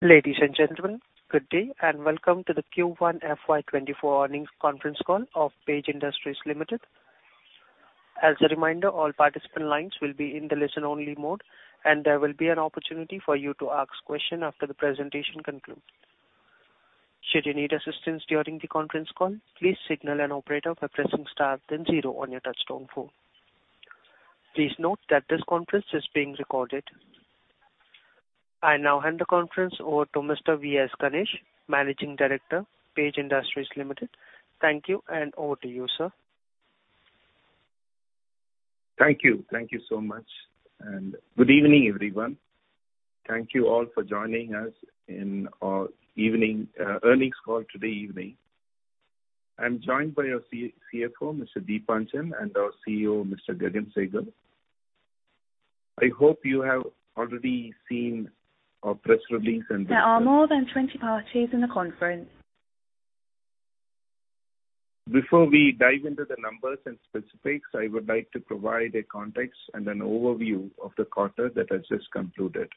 Ladies and gentlemen, good day, and welcome to the Q1 FY 2024 Earnings Conference Call of Page Industries Limited. As a reminder, all participant lines will be in the listen-only mode, and there will be an opportunity for you to ask questions after the presentation concludes. Should you need assistance during the conference call, please signal an operator by pressing star then zero on your touchtone phone. Please note that this conference is being recorded. I now hand the conference over to Mr. V.S. Ganesh, Managing Director, Page Industries Limited. Thank you, and over to you, sir. Thank you. Thank you so much, and good evening, everyone. Thank you all for joining us in our evening earnings call today evening. I'm joined by our CFO, Mr. Deepanjan, and our CEO, Mr. Gagan Sehgal. I hope you have already seen our press release. There are more than 20 parties in the conference. Before we dive into the numbers and specifics, I would like to provide a context and an overview of the quarter that has just concluded.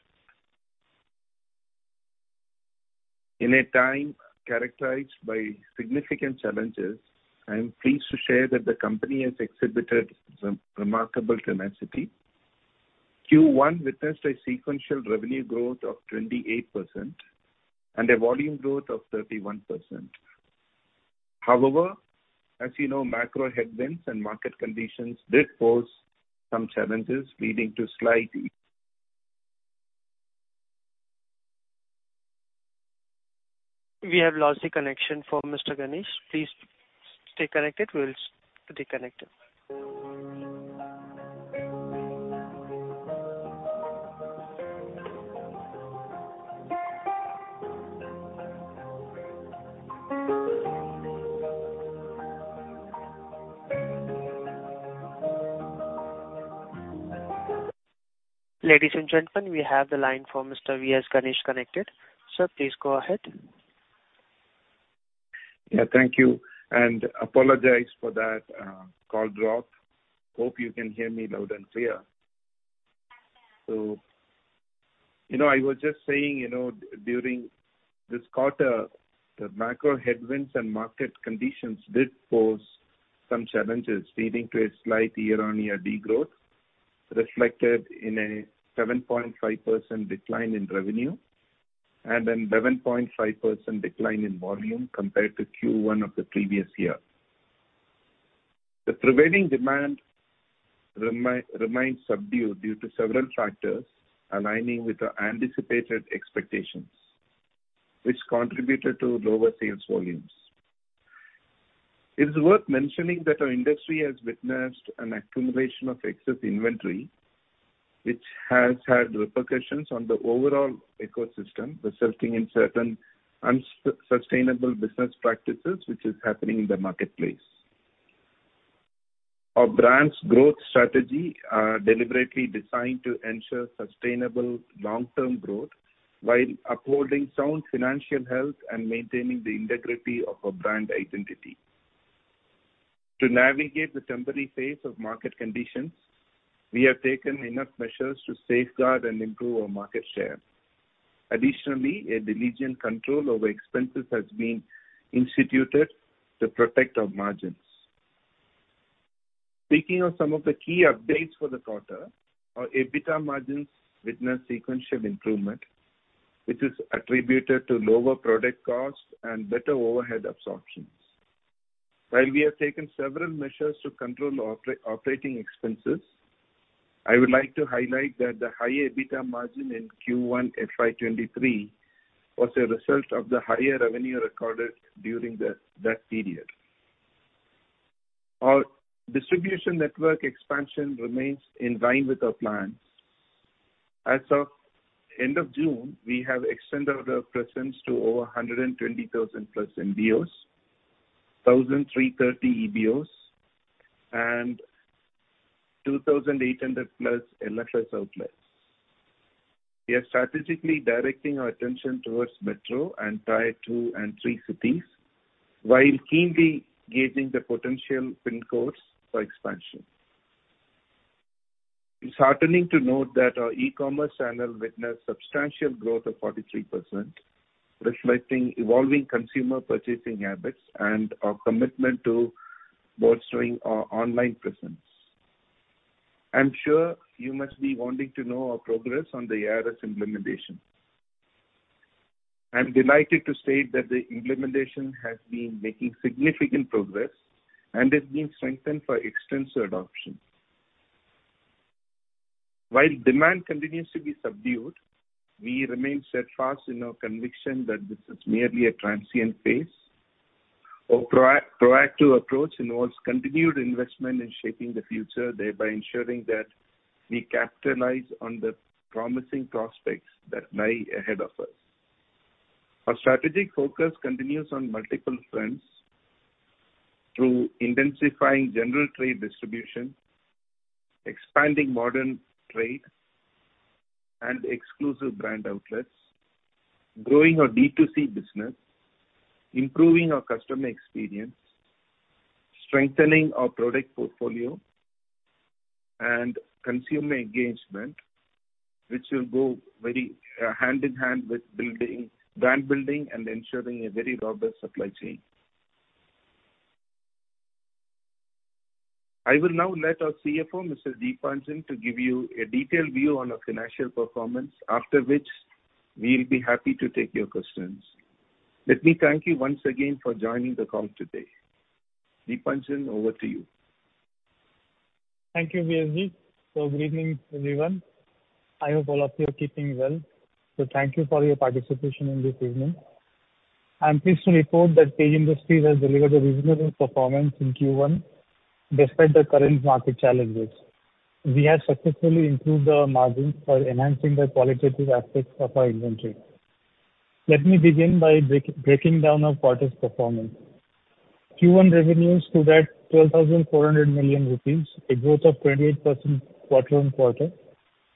In a time characterized by significant challenges, I am pleased to share that the company has exhibited remarkable tenacity. Q1 witnessed a sequential revenue growth of 28% and a volume growth of 31%. As you know, macro headwinds and market conditions did pose some challenges, leading to slight. We have lost the connection for Mr. Ganesh. Please stay connected. We'll re-connect him. Ladies and gentlemen, we have the line for Mr. V.S. Ganesh connected. Sir, please go ahead. Yeah, thank you, and apologize for that call drop. Hope you can hear me loud and clear. So, you know, I was just saying, you know, during this quarter, the macro headwinds and market conditions did pose some challenges, leading to a slight year-on-year degrowth, reflected in a 7.5% decline in revenue and an 11.5% decline in volume compared to Q1 of the previous year. The prevailing demand remains subdued due to several factors aligning with our anticipated expectations, which contributed to lower sales volumes. It is worth mentioning that our industry has witnessed an accumulation of excess inventory, which has had repercussions on the overall ecosystem, resulting in certain unsustainable business practices, which is happening in the marketplace. Our brand's growth strategy are deliberately designed to ensure sustainable long-term growth while upholding sound financial health and maintaining the integrity of our brand identity. To navigate the temporary phase of market conditions, we have taken enough measures to safeguard and improve our market share. Additionally, a diligent control over expenses has been instituted to protect our margins. Speaking of some of the key updates for the quarter, our EBITDA margins witnessed sequential improvement, which is attributed to lower product costs and better overhead absorptions. While we have taken several measures to control operating expenses, I would like to highlight that the higher EBITDA margin in Q1 FY 2023 was a result of the higher revenue recorded during the, that period. Our distribution network expansion remains in line with our plans. As of end of June, we have extended our presence to over 120,000+ MBOs, 1,330 EBOs, and 2,800+ outlets. We are strategically directing our attention towards metro and Tier Two and Three cities, while keenly gauging the potential PIN codes for expansion. It's heartening to note that our e-commerce channel witnessed substantial growth of 43%, reflecting evolving consumer purchasing habits and our commitment to bolstering our online presence. I'm sure you must be wanting to know our progress on the ARS implementation. I'm delighted to state that the implementation has been making significant progress and is being strengthened for extensive adoption. While demand continues to be subdued, we remain steadfast in our conviction that this is merely a transient phase. Our proactive approach involves continued investment in shaping the future, thereby ensuring that we capitalize on the promising prospects that lie ahead of us. Our strategic focus continues on multiple fronts through intensifying general trade distribution, expanding modern trade and Exclusive Brand Outlets, growing our D2C business, improving our customer experience, strengthening our product portfolio and consumer engagement, which will go very hand in hand with building, brand building and ensuring a very robust supply chain. I will now let our CFO, Mr. Deepanjan, to give you a detailed view on our financial performance, after which we'll be happy to take your questions. Let me thank you once again for joining the call today. Deepanjan, over to you. Thank you, VSG. Good evening, everyone. I hope all of you are keeping well. Thank you for your participation on this evening. I'm pleased to report that Page Industries has delivered a reasonable performance in Q1, despite the current market challenges. We have successfully improved our margins by enhancing the qualitative aspects of our inventory. Let me begin by breaking down our quarter's performance. Q1 revenues stood at 12,400 million rupees, a growth of 28% quarter-on-quarter,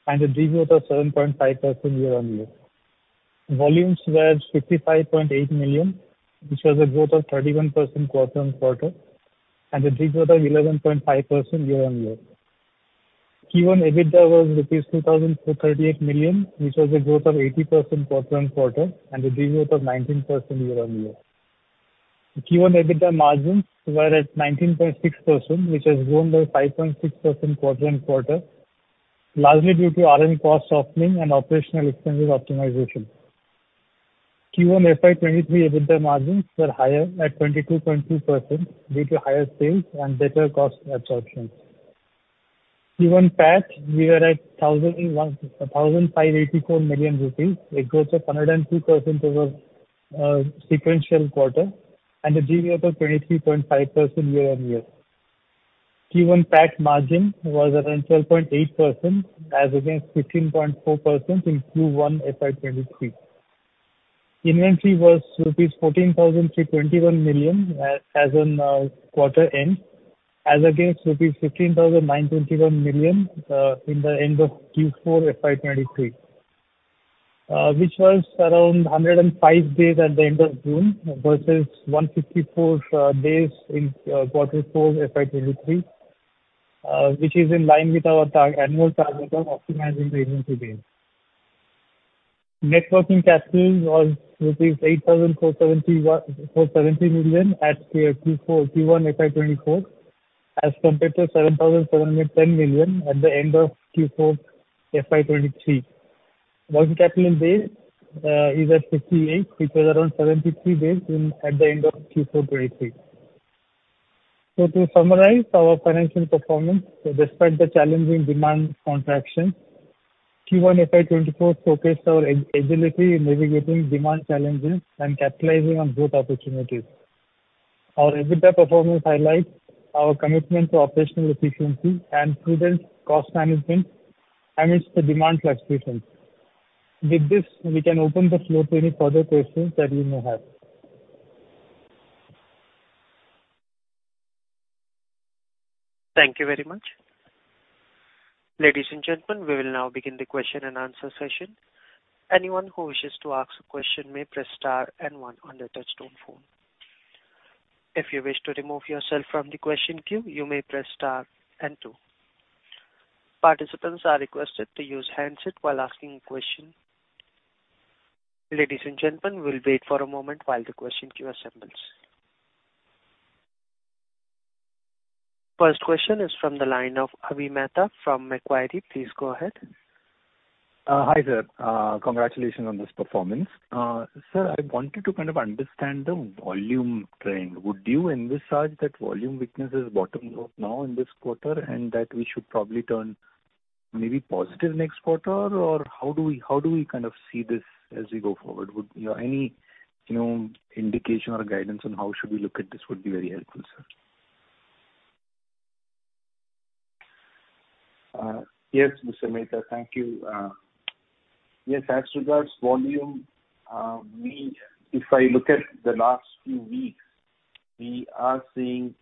and a de-growth of 7.5% year-on-year. Volumes were 55.8 million, which was a growth of 31% quarter-on-quarter, and a de-growth of 11.5% year-on-year. Q1 EBITDA was rupees 2,338 million, which was a growth of 80% quarter-over-quarter and a de-growth of 19% year-over-year. The Q1 EBITDA margins were at 19.6%, which has grown by 5.6% quarter-over-quarter, largely due to raw material cost softening and operational expenses optimization. Q1 FY 2023 EBITDA margins were higher at 22.2% due to higher sales and better cost absorption. Q1 PAT, we are at INR 1,584 million, a growth of 102% over sequential quarter, and a de-growth of 23.5% year-over-year. Q1 PAT margin was around 12.8%, as against 15.4% in Q1 FY 2023. Inventory was rupees 14,321 million as on quarter end, as against rupees 15,921 million in the end of Q4 FY 2023. Which was around 105 days at the end of June, versus 154 days in quarter four FY 2023, which is in line with our target, annual target of optimizing the inventory days. Net working capital was rupees 8,470 million at Q1 FY 2024, as compared to 7,710 million at the end of Q4 FY 2023. Working capital in days is at 58, which was around 73 days at the end of Q4 2023. To summarize our financial performance, so despite the challenging demand contraction, Q1 FY 2024 focused our agility in navigating demand challenges and capitalizing on growth opportunities. Our EBITDA performance highlights our commitment to operational efficiency and prudent cost management amidst the demand fluctuations. With this, we can open the floor to any further questions that you may have. Thank you very much. Ladies and gentlemen, we will now begin the question and answer session. Anyone who wishes to ask a question may press star and one on their touchtone phone. If you wish to remove yourself from the question queue, you may press star and two. Participants are requested to use handset while asking a question. Ladies and gentlemen, we'll wait for a moment while the question queue assembles. First question is from the line of Avi Mehta from Macquarie. Please go ahead. Hi there. Congratulations on this performance. Sir, I wanted to kind of understand the volume trend. Would you envisage that volume weakness is bottoming out now in this quarter, and that we should probably turn maybe positive next quarter? How do we, how do we kind of see this as we go forward? Would, you know, any, you know, indication or guidance on how should we look at this would be very helpful, sir. Yes, Avi Mehta, thank you. Yes, as regards volume, if I look at the last few weeks, we are seeing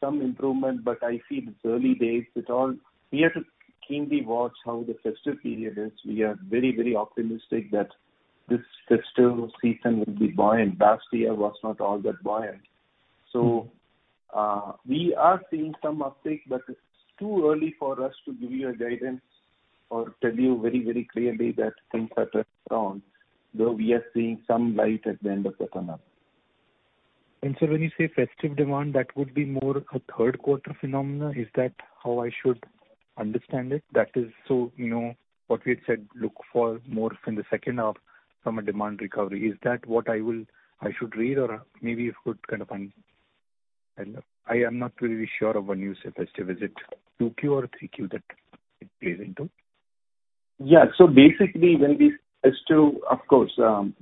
some improvement, but I feel it's early days. We have to keenly watch how the festive period is. We are very, very optimistic that this festive season will be buoyant. Last year was not all that buoyant. Mm-hmm. We are seeing some uptake, but it's too early for us to give you a guidance or tell you very, very clearly that things are turned around, though we are seeing some light at the end of the tunnel. So when you say festive demand, that would be more a third quarter phenomena? Is that how I should understand it? That is, so, you know, what we had said, look for more in the second half from a demand recovery. Is that what I will, I should read? Or maybe you could kind of I am not really sure of when you say festive, is it 2Q or 3Q that it plays into? Yeah. Basically, when we say festive, of course,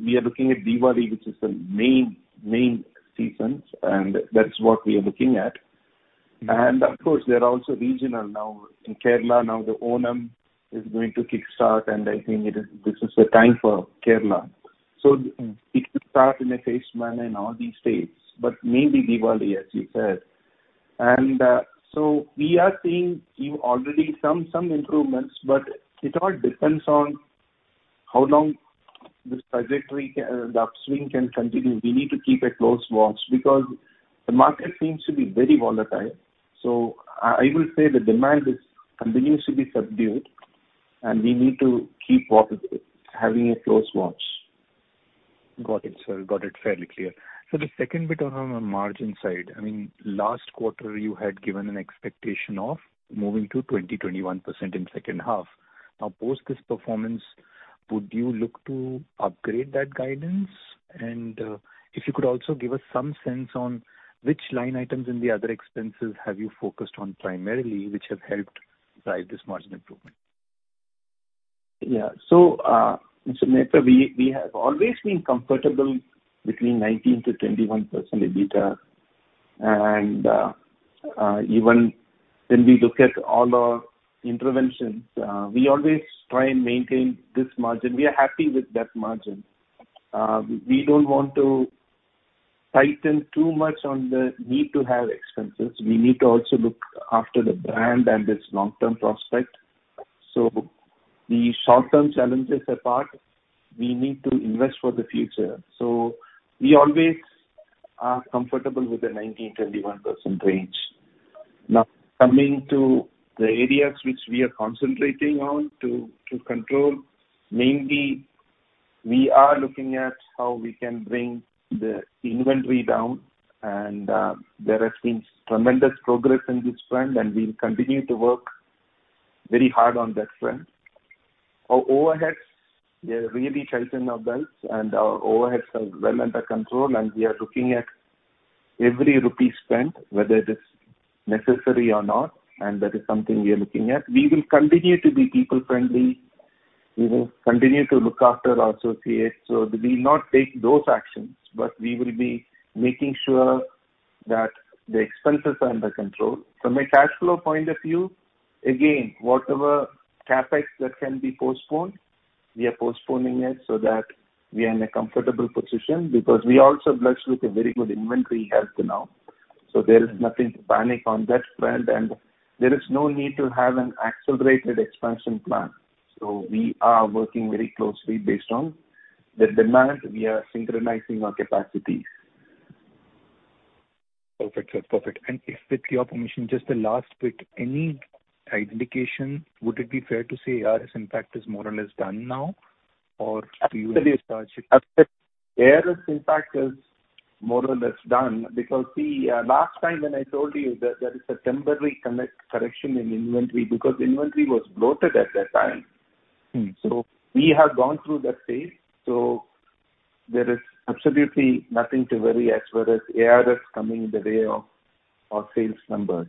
we are looking at Diwali, which is the main, main seasons, and that's what we are looking at. Mm-hmm. Of course, there are also regional. Now, in Kerala, now the Onam is going to kickstart, and I think it is, this is the time for Kerala. It will start in a phased manner in all these states, but mainly Diwali, as you said. So we are seeing already some, some improvements, but it all depends on how long this trajectory can the upswing can continue. We need to keep a close watch because the market seems to be very volatile. I will say the demand is continues to be subdued, and we need to keep watch, having a close watch. Got it, sir. Got it fairly clear. The second bit on the margin side, I mean, last quarter you had given an expectation of moving to 20%-21% in second half. Now, post this performance, would you look to upgrade that guidance? If you could also give us some sense on which line items in the other expenses have you focused on primarily, which have helped drive this margin improvement? Yeah. So, Avi Mehta, we, we have always been comfortable between 19%-21% EBITDA. Even when we look at all our interventions, we always try and maintain this margin. We are happy with that margin. We don't want to tighten too much on the need to have expenses. We need to also look after the brand and its long-term prospect. The short-term challenges apart, we need to invest for the future. We always are comfortable with the 19%-21% range. Coming to the areas which we are concentrating on to, to control, mainly we are looking at how we can bring the inventory down, there has been tremendous progress in this front, we'll continue to work very hard on that front. Our overheads, we are really tightening our belts, and our overheads are well under control, and we are looking at every rupee spent, whether it is necessary or not, and that is something we are looking at. We will continue to be people-friendly. We will continue to look after our associates, so we will not take those actions, but we will be making sure that the expenses are under control. From a cash flow point of view, again, whatever CapEx that can be postponed, we are postponing it so that we are in a comfortable position because we are also blessed with a very good inventory health now. There is nothing to panic on that front, and there is no need to have an accelerated expansion plan. We are working very closely based on the demand, we are synchronizing our capacities. Perfect. Perfect. If with your permission, just the last bit, any indication, would it be fair to say RS impact is more or less done now, or do you- Absolutely. RS impact is more or less done because see, last time when I told you that there is a temporary correction in inventory, because inventory was bloated at that time. Mm. We have gone through that phase, so there is absolutely nothing to worry as far as RS coming in the way of our sales numbers.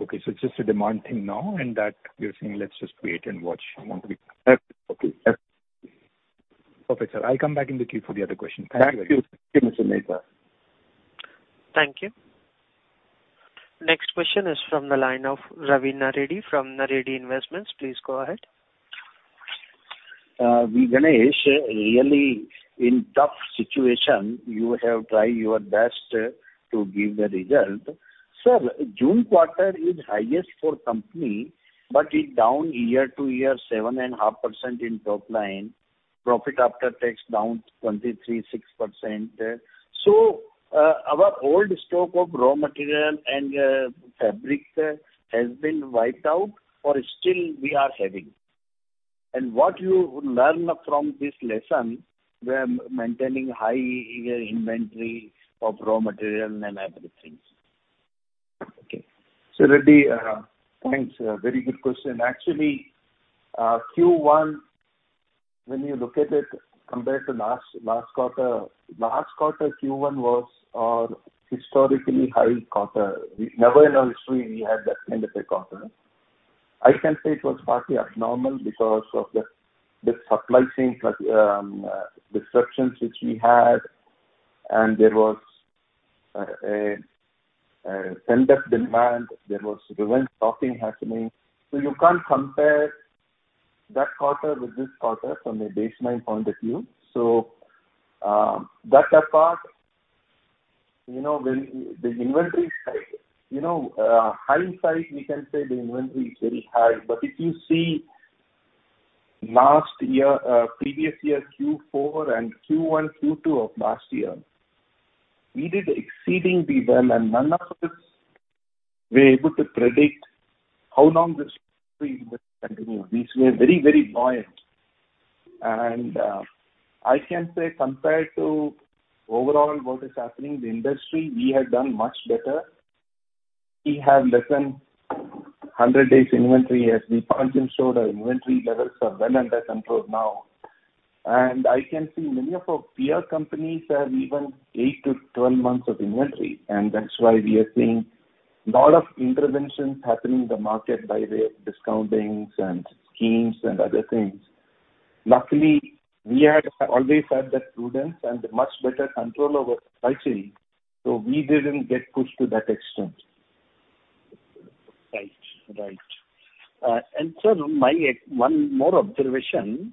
Okay. It's just a demand thing now, and that you're saying let's just wait and watch for one week. Yes. Okay. Perfect, sir. I'll come back in the queue for the other question. Thank you. Thank you, Avi Mehta. Thank you. Next question is from the line of Ravi Naredi, from Naredi Investments. Please go ahead. V.S. Ganesh, really in tough situation, you have tried your best to give the result. Sir, June quarter is highest for company. It's down year-over-year 7.5% in top line, profit after tax down 23.6%. Our old stock of raw material and fabric has been wiped out or still we are having? What you learn from this lesson when maintaining high inventory of raw material and everything? Okay. Reddy, thanks. A very good question. Actually, Q1, when you look at it compared to last, last quarter, last quarter, Q1, was our historically high quarter. Never in our history we had that kind of a quarter. I can say it was partly abnormal because of the, the supply chain disruptions which we had, and there was a pent-up demand. There was event stopping happening. You can't compare that quarter with this quarter from a baseline point of view. That apart, you know, when the inventory side, you know, hindsight, we can say the inventory is very high, but if you see last year, previous year, Q4 and Q1, Q2 of last year, we did exceedingly well and none of us were able to predict how long this continue. These were very, very buoyant. I can say compared to overall what is happening in the industry, we have done much better. We have less than 100 days inventory as Deepanjan showed our inventory levels are well under control now. I can see many of our peer companies have even eight to 12 months of inventory, and that's why we are seeing a lot of interventions happening in the market by way of discountings and schemes and other things. Luckily, we had always had that prudence and much better control over supply chain, so we didn't get pushed to that extent. Right. Right. sir, my one more observation,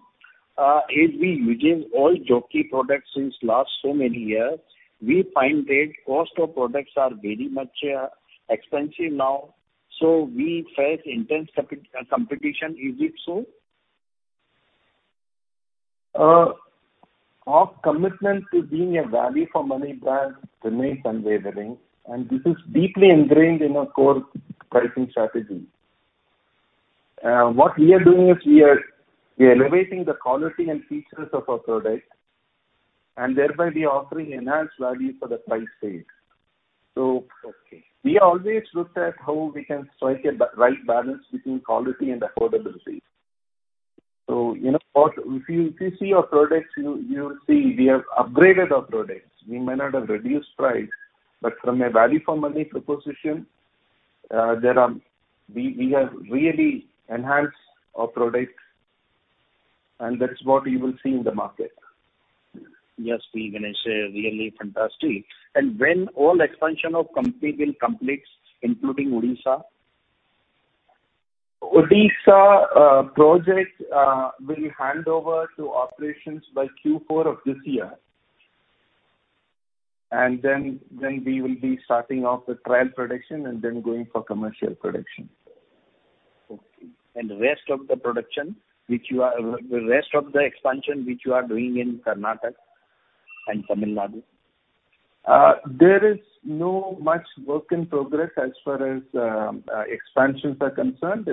as we using all Jockey products since last so many years, we find that cost of products are very much expensive now, so we face intense competition. Is it so? Our commitment to being a value for money brand remains unwavering, and this is deeply ingrained in our core pricing strategy. What we are doing is we are elevating the quality and features of our product, and thereby we are offering enhanced value for the price paid. Okay. We always look at how we can strike a right balance between quality and affordability. You know, if you, if you see our products, you, you will see we have upgraded our products. We might not have reduced price, but from a value for money proposition, We, we have really enhanced our products, and that's what you will see in the market. Yes, we're gonna say really fantastic. When all expansion of company will complete, including Odisha? Odisha project will hand over to operations by Q4 of this year. Then, then we will be starting off the trial production and then going for commercial production. Okay. The rest of the production, the rest of the expansion, which you are doing in Karnataka and Tamil Nadu? There is no much work in progress as far as expansions are concerned.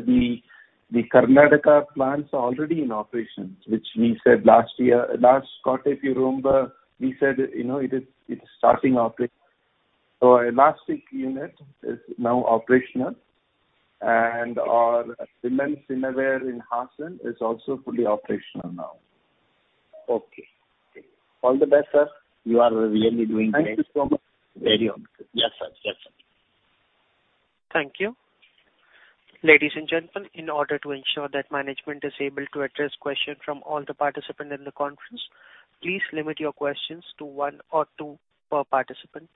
The Karnataka plants are already in operation, which we said last year. Last quarter, if you remember, we said, you know, it's starting operation. So our elastic unit is now operational, and our men's innerwear in Hassan is also fully operational now. Okay. All the best, sir. You are really doing great. Thank you so much. Very well. Yes, sir. Yes, sir. Thank you. Ladies and gentlemen, in order to ensure that management is able to address questions from all the participants in the conference, please limit your questions to one or two per participant.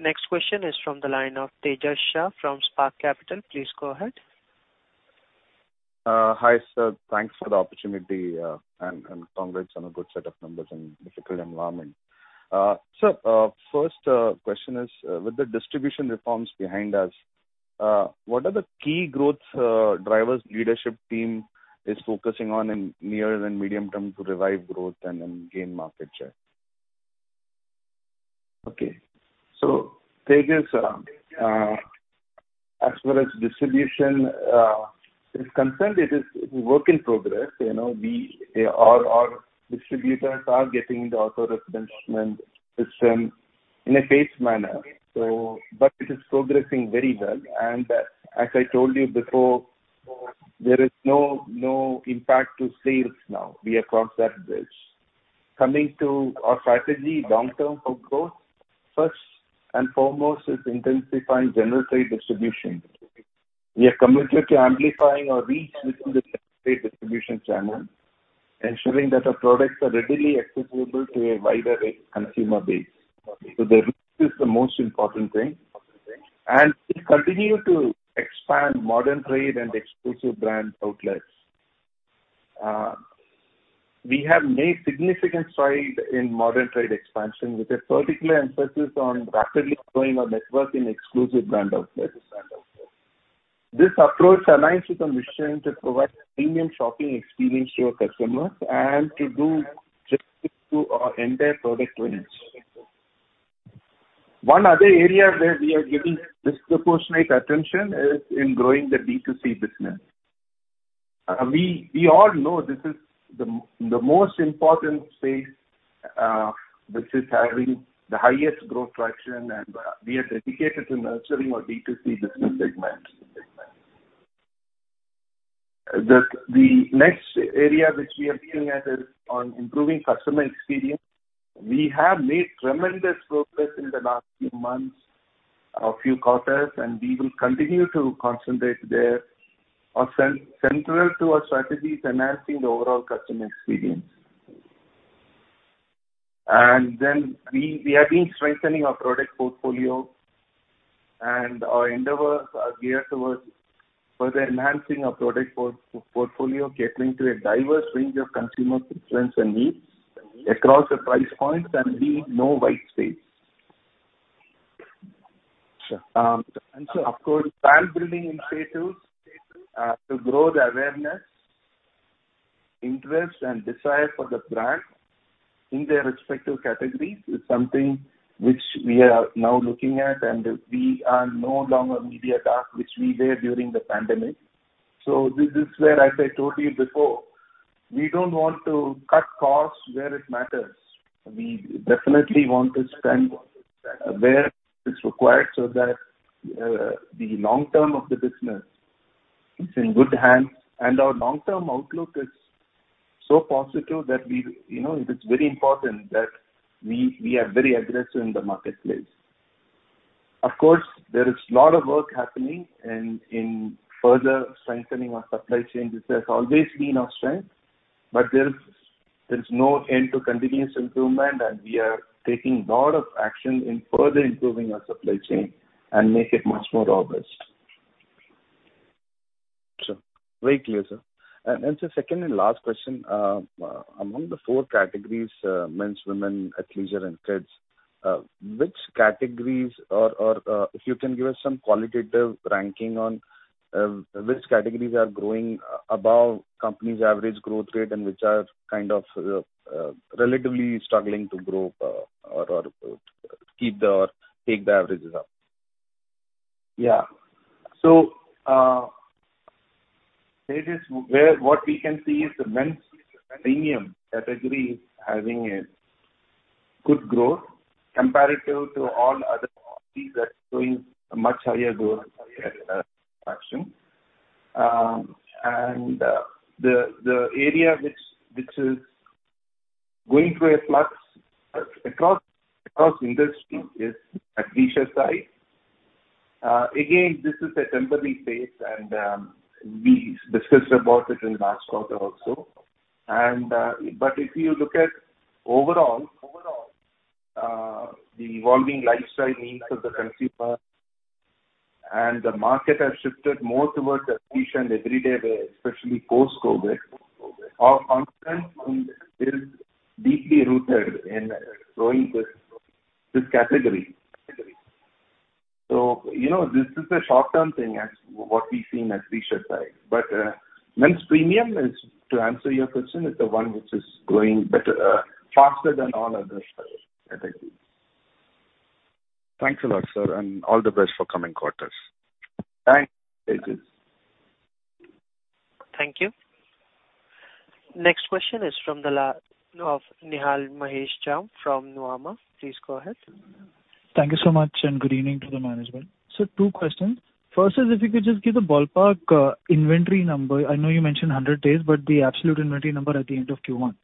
Next question is from the line of Tejas Shah from Spark Capital. Please go ahead. Hi, sir. Thanks for the opportunity, and congrats on a good set of numbers in difficult environment. So, first question is, with the distribution reforms behind us, what are the key growth drivers leadership team is focusing on in near and medium term to revive growth and gain market share? Okay. Tejas, as far as distribution is concerned, it is work in progress. You know, our distributors are getting the auto replenishment system in a phased manner, but it is progressing very well. As I told you before, there is no, no impact to sales now. We have crossed that bridge. Coming to our strategy long term for growth, first and foremost, is intensifying general trade distribution. We are committed to amplifying our reach within the general trade distribution channel, ensuring that our products are readily accessible to a wider consumer base. This is the most important thing. We continue to expand modern trade and Exclusive Brand Outlets. We have made significant strides in modern trade expansion, with a particular emphasis on rapidly growing our network in Exclusive Brand Outlets. This approach aligns with our mission to provide premium shopping experience to our customers and to do justice to our entire product range. One other area where we are giving disproportionate attention is in growing the B2C business. We, we all know this is the most important space, which is having the highest growth traction, and we are dedicated to nurturing our B2C business segment. The, the next area which we are looking at is on improving customer experience. We have made tremendous progress in the last few months, a few quarters, and we will continue to concentrate there. Our central to our strategy is enhancing the overall customer experience. Then we, we have been strengthening our product portfolio, and our endeavors are geared towards further enhancing our product portfolio, catering to a diverse range of consumer preferences and needs across the price points, and we leave no white space. Sure. Of course, brand building initiatives, to grow the awareness, interest, and desire for the brand in their respective categories is something which we are now looking at, and we are no longer media dark, which we were during the pandemic. This is where, as I told you before, we don't want to cut costs where it matters. We definitely want to spend where it's required so that, the long term of the business is in good hands, and our long-term outlook is so positive that we, you know, it is very important that we, we are very aggressive in the marketplace. Of course, there is a lot of work happening in, in further strengthening our supply chain, which has always been our strength, but there is-... There's no end to continuous improvement, and we are taking a lot of action in further improving our supply chain and make it much more robust. Sure. Very clear, sir. And, and sir, second and last question, among the four categories, men's, women, athleisure, and kids, which categories or, if you can give us some qualitative ranking on, which categories are growing above company's average growth rate, and which are kind of, relatively struggling to grow, or keep the or take the averages up? Yeah. It is where what we can see is the men's premium category is having a good growth comparative to all other categories that are growing a much higher growth action. The area which, which is going through a flux across, across industry is athleisure side. Again, this is a temporary phase, and we discussed about it in last quarter also. If you look at overall, the evolving lifestyle needs of the consumer and the market has shifted more towards athleisure and everyday wear, especially post-COVID. Our confidence is deeply rooted in growing this, this category. You know, this is a short-term thing as what we see in athleisure side. Men's premium is, to answer your question, is the one which is growing better, faster than all other categories. Thanks a lot, sir, and all the best for coming quarters. Thanks. Thank you. Next question is from the line of Nihal Mahesh Jham from Nuvama. Please go ahead. Thank you so much, and good evening to the management. Two questions. First is, if you could just give the ballpark inventory number. I know you mentioned 100 days, but the absolute inventory number at the end of Q1.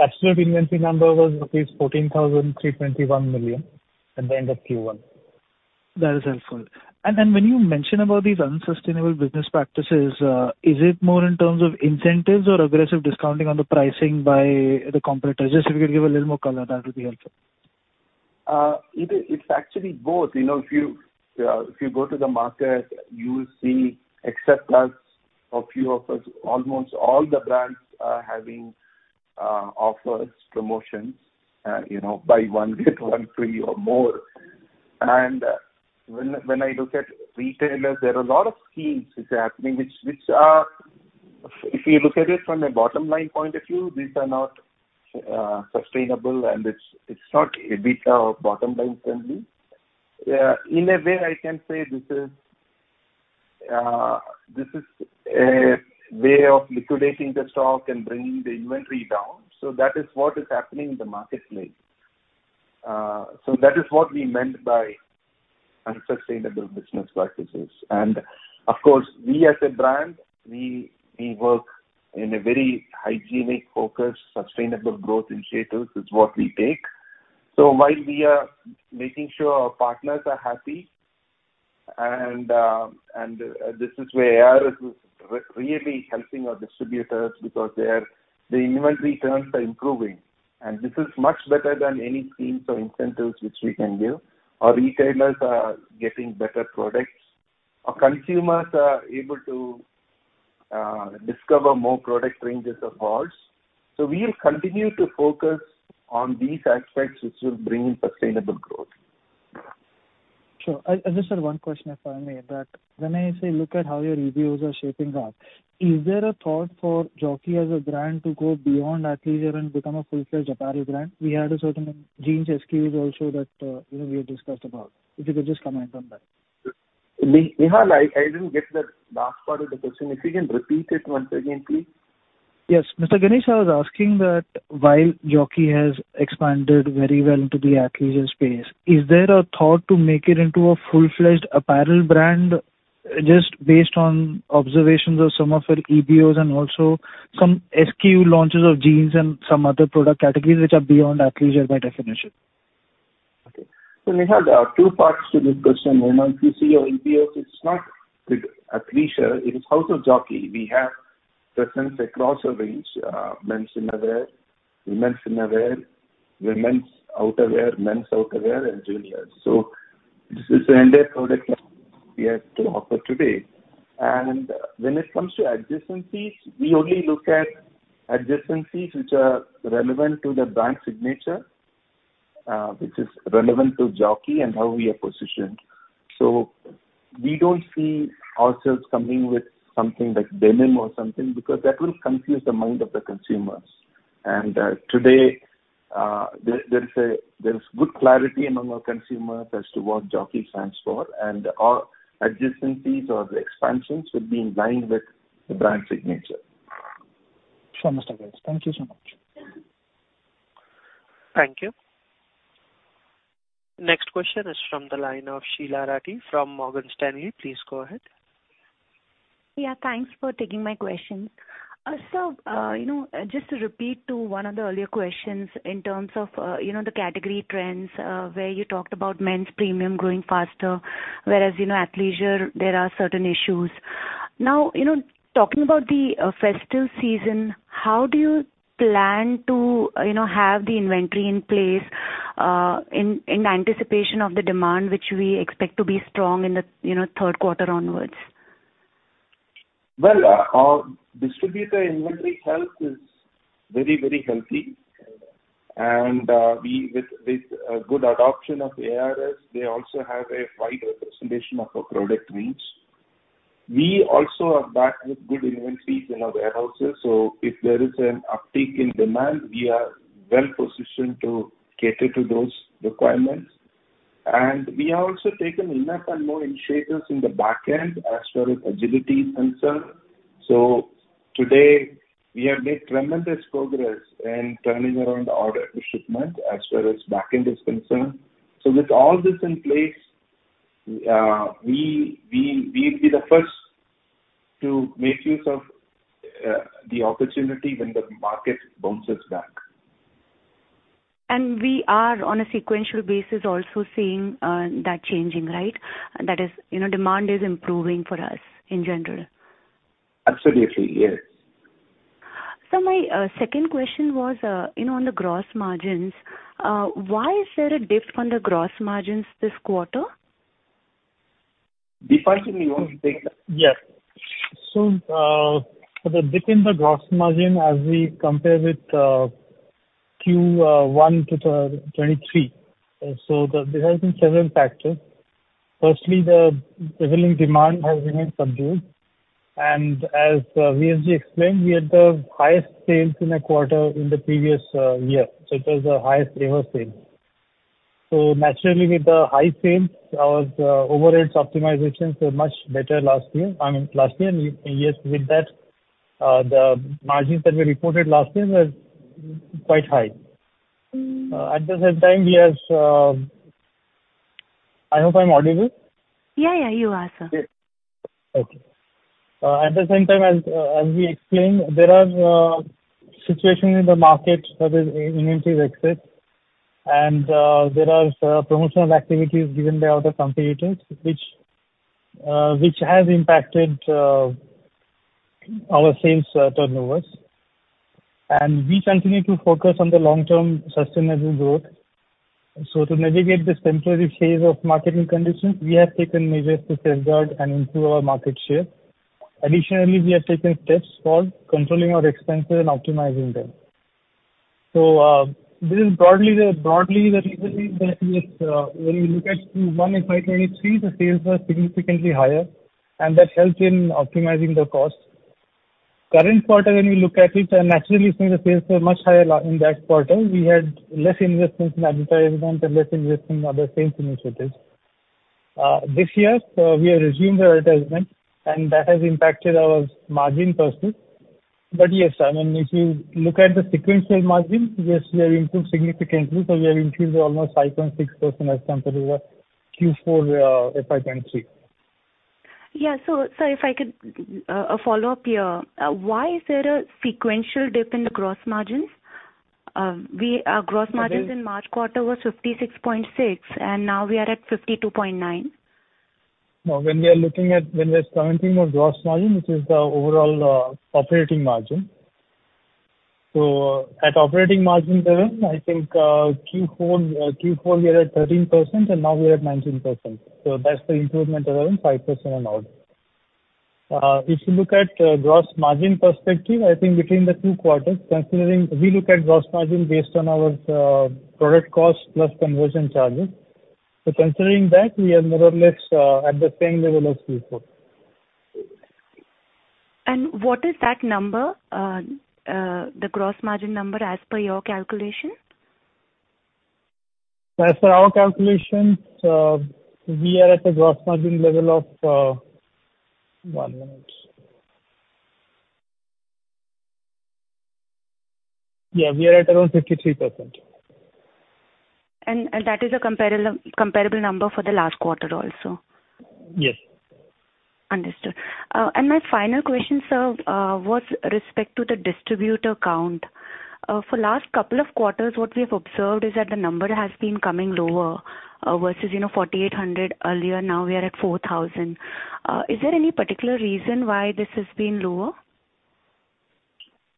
Absolute inventory number was rupees 14,321 million at the end of Q1. That is helpful. When you mention about these unsustainable business practices, is it more in terms of incentives or aggressive discounting on the pricing by the competitor? Just if you could give a little more color, that would be helpful. It is, it's actually both. You know, if you, if you go to the market, you will see except us, a few of us, almost all the brands are having, offers, promotions, you know, buy one, get one free or more. When, when I look at retailers, there are a lot of schemes which are happening. If you look at it from a bottom line point of view, these are not sustainable, and it's, it's not a bit, bottom line friendly. In a way, I can say this is, this is a way of liquidating the stock and bringing the inventory down. That is what is happening in the marketplace. That is what we meant by unsustainable business practices. Of course, we as a brand, we work in a very hygienic, focused, sustainable growth initiatives, is what we take. While we are making sure our partners are happy, and this is where ARS is really helping our distributors because the inventory terms are improving, and this is much better than any schemes or incentives which we can give. Our retailers are getting better products. Our consumers are able to discover more product ranges of ours. We will continue to focus on these aspects, which will bring in sustainable growth. Sure. Just have one question, if I may, that when I say, look at how your EBOs are shaping up, is there a thought for Jockey as a brand to go beyond athleisure and become a full-fledged apparel brand? We had a certain jeans SKUs also that, you know, we had discussed about. If you could just comment on that. Nihal, I didn't get the last part of the question. If you can repeat it once again, please. Yes. Mr. Ganesh, I was asking that while Jockey has expanded very well into the athleisure space, is there a thought to make it into a full-fledged apparel brand, just based on observations of some of your EBOs and also some SKU launches of jeans and some other product categories which are beyond athleisure by definition? Okay. Nihal, there are two parts to this question. When you see our EBOs, it's not athleisure, it is House of Jockey. We have presence across our range, men's innerwear, women's innerwear, women's outerwear, men's outerwear, and juniors. This is the entire product line we have to offer today. When it comes to adjacencies, we only look at adjacencies which are relevant to the brand signature, which is relevant to Jockey and how we are positioned. We don't see ourselves coming with something like denim or something, because that will confuse the mind of the consumers. Today, there is good clarity among our consumers as to what Jockey stands for, and our adjacencies or the expansions will be in line with the brand signature. Sure, Mr. Ganesh. Thank you so much. Thank you. Next question is from the line of Sheela Rathi from Morgan Stanley. Please go ahead. Yeah, thanks for taking my question. You know, just to repeat to one of the earlier questions in terms of, you know, the category trends, where you talked about men's premium growing faster, whereas, you know, athleisure, there are certain issues. Now, you know, talking about the festive season, how do you plan to, you know, have the inventory in place in anticipation of the demand, which we expect to be strong in the, you know, third quarter onwards? Well, our distributor inventory health is very, very healthy, and we with, with good adoption of the ARS, they also have a wide representation of our product range. We also are back with good inventories in our warehouses, so if there is an uptick in demand, we are well positioned to cater to those requirements. We have also taken enough and more initiatives in the back end as far as agility is concerned. Today, we have made tremendous progress in turning around the order to shipment as far as back end is concerned. With all this in place, we, we, we'll be the first to make use of the opportunity when the market bounces back. We are on a sequential basis also seeing that changing, right? That is, you know, demand is improving for us in general. Absolutely, yes. My second question was, you know, on the gross margins. Why is there a dip on the gross margins this quarter? Dipesh, you want to take that? Yes. The dip in the gross margin as we compare with Q1 2023. There have been several factors. Firstly, the prevailing demand has remained subdued, and as VSG explained, we had the highest sales in a quarter in the previous year, so it was the highest ever sale. Naturally, with the high sales, our overheads optimizations were much better last year. I mean, last year, yes, with that, the margins that we reported last year were quite high. Mm. At the same time, we have. I hope I'm audible? Yeah, yeah, you are, sir. Okay. At the same time, as we explained, there are situations in the market that is inventory exit, and there are promotional activities given by other competitors, which has impacted our sales turnovers. We continue to focus on the long-term sustainable growth. To navigate this temporary phase of marketing conditions, we have taken measures to safeguard and improve our market share. Additionally, we have taken steps for controlling our expenses and optimizing them. This is broadly the, broadly the reason is that with, when you look at Q1 in FY 2023, the sales were significantly higher, and that helped in optimizing the costs. Current quarter, when you look at it, and naturally seeing the sales were much higher in that quarter, we had less investments in advertisement and less investment in other sales initiatives. This year, we have resumed the advertisement, and that has impacted our margin firstly. Yes, I mean, if you look at the sequential margin, yes, we have improved significantly, so we have increased almost 5.6% as compared to the Q4 FY 2023. Yeah. Sir, if I could, a follow-up here. Why is there a sequential dip in the gross margins? We, our gross margins- Okay. in March quarter was 56.6, and now we are at 52.9. No, when we are commenting on gross margin, which is the overall operating margin. At operating margin level, I think Q4, we are at 13%, and now we are at 19%. That's the improvement around 5% and odd. If you look at gross margin perspective, I think between the two quarters, considering we look at gross margin based on our product cost plus conversion charges. Considering that, we are more or less at the same level as Q4. What is that number, the gross margin number as per your calculation? As per our calculations, we are at a gross margin level of.. One minute. Yeah, we are at around 53%. That is a comparable, comparable number for the last quarter also. Yes. Understood. My final question, sir, was respect to the distributor count. For last couple of quarters, what we have observed is that the number has been coming lower, versus, you know, 4,800 earlier, now we are at 4,000. Is there any particular reason why this has been lower?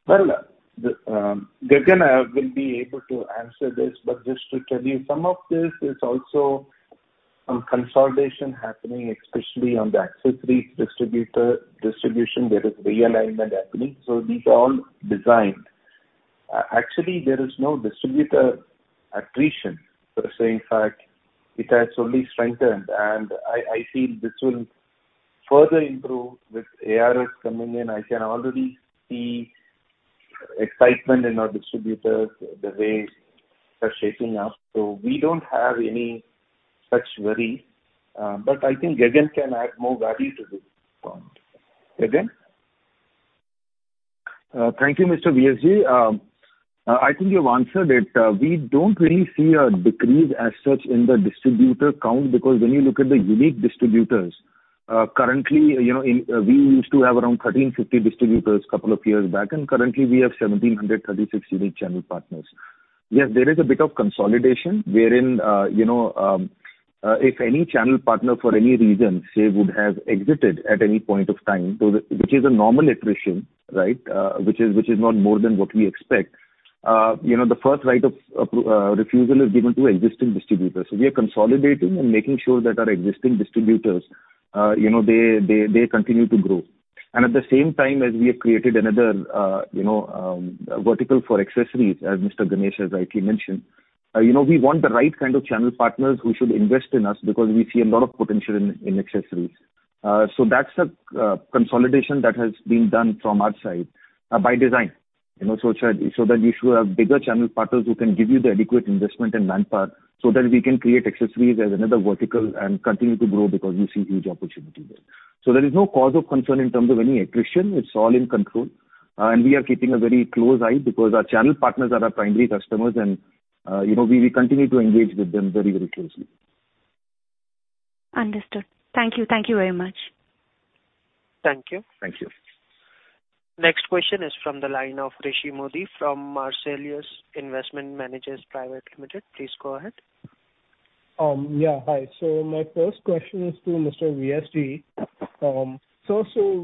Well, the Gagan will be able to answer this. Just to tell you, some of this is also some consolidation happening, especially on the accessories distributor distribution. There is realignment happening. These are all designed. Actually, there is no distributor attrition. Per se, in fact, it has only strengthened, and I, I feel this will further improve with ARS coming in. I can already see excitement in our distributors, the way they're shaping up. We don't have any such worry, but I think Gagan can add more value to this point. Gagan? Thank you, Mr. VSG. I think you have answered it. We don't really see a decrease as such in the distributor count, because when you look at the unique distributors, currently, you know, we used to have around 1,350 distributors couple of years back, and currently, we have 1,736 unique channel partners. Yes, there is a bit of consolidation wherein, you know if any channel partner for any reason, say, would have exited at any point of time, so that, which is a normal attrition, right? Which is, which is not more than what we expect. You know, the first right of refusal is given to existing distributors. We are consolidating and making sure that our existing distributors, you know, they, they, they continue to grow. At the same time as we have created another, you know, vertical for accessories, as Mr. Ganesh has rightly mentioned. You know, we want the right kind of channel partners who should invest in us because we see a lot of potential in, in accessories. That's the consolidation that has been done from our side, by design, you know, so that, so that we should have bigger channel partners who can give you the adequate investment and manpower, so that we can create accessories as another vertical and continue to grow because we see huge opportunity there. There is no cause of concern in terms of any attrition. It's all in control. We are keeping a very close eye, because our channel partners are our primary customers and, you know, we, we continue to engage with them very, very closely. Understood. Thank you. Thank you very much. Thank you. Thank you. Next question is from the line of Rishi Modi, from Marcellus Investment Managers Private Limited. Please go ahead. Yeah, hi. My first question is to Mr. VSG.